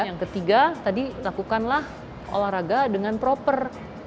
yang ketiga tadi lakukanlah olahraga dengan proper